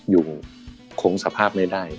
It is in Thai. อยู่คงสภาพไม่ได้